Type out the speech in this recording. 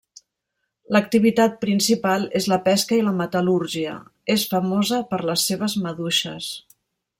L'activitat principal és la pesca i la metal·lúrgia; és famosa per les seves maduixes.